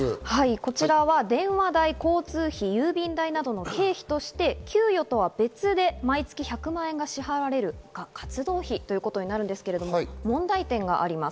こちらは電話代、交通、費郵便代などの経費として給与は別で毎月１００万円が支払われる活動費ということになるんですけれども問題点があります。